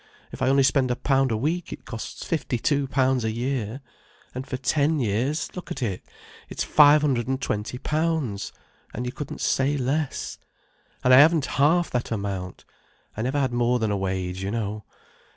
If I only spend a pound a week, it costs fifty two pounds a year. And for ten years, look at it, it's five hundred and twenty pounds. And you couldn't say less. And I haven't half that amount. I never had more than a wage, you know.